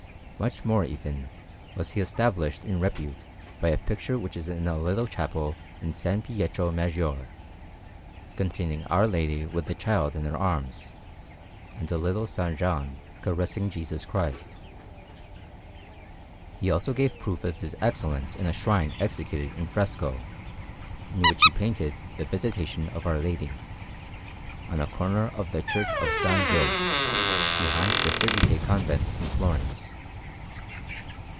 Much more, even, was he established in repute by a picture which is in a little chapel in S. Pietro Maggiore, containing Our Lady with the Child in her arms, and a little S. John caressing Jesus Christ. He also gave proof of his excellence in a shrine executed in fresco, in which he painted the Visitation of Our Lady, on a corner of the Church of S. Giobbe, behind the Servite Convent in Florence.